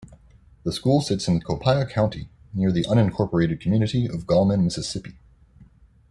The school sits in Copiah County, near the unincorporated community of Gallman, Mississippi.